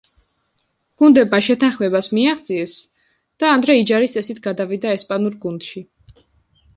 გუნდებმა შეთანხმებას მიაღწიეს და ანდრე იჯარის წესით გადავიდა ესპანურ გუნდში.